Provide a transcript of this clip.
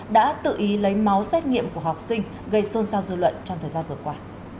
đã tự ý lấy máu xét nghiệm của học sinh gây xôn xao dư luận trong thời gian vừa qua